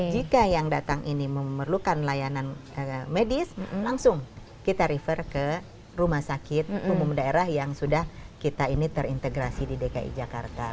jika yang datang ini memerlukan layanan medis langsung kita refer ke rumah sakit umum daerah yang sudah kita ini terintegrasi di dki jakarta